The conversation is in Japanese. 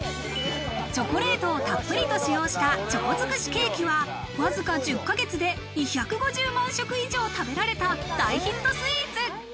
チョコレートをたっぷりと使用したチョコづくしケーキは、わずか１０ヶ月で２５０万食以上食べられた大ヒットスイーツ。